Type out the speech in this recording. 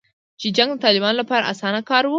چې جنګ د طالبانو لپاره اسانه کار و